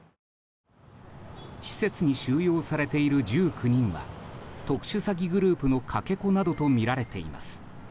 施設に収容されている１９人は特殊詐欺グループのかけ子などとみられています。